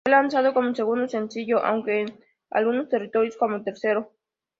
Fue lanzado como segundo sencillo, aunque en algunos territorios como tercero.